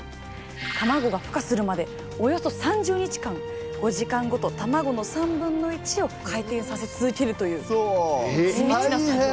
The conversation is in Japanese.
卵がふ化するまでおよそ３０日間５時間ごと卵の３分の１を回転させ続けるという地道な作業。